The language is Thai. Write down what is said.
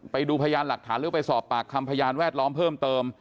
ไปดูพยานหลักฐานหรือไปสอบปากคำพยานแวดล้อมเพิ่มเติม